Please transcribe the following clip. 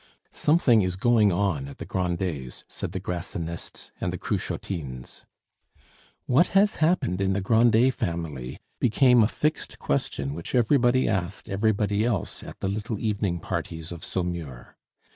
"Something is going on at the Grandets," said the Grassinists and the Cruchotines. "What has happened in the Grandet family?" became a fixed question which everybody asked everybody else at the little evening parties of Saumur.